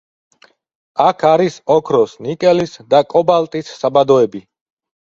აქ არის ოქროს, ნიკელის და კობალტის საბადოები.